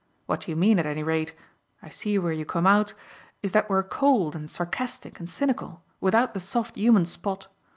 What you mean at any rate I see where you come out is that we're cold and sarcastic and cynical, without the soft human spot.